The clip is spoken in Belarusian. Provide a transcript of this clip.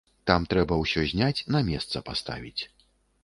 Там трэба ўсё зняць, на месца паставіць.